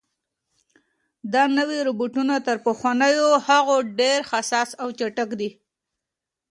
دا نوي روبوټونه تر پخوانیو هغو ډېر حساس او چټک دي.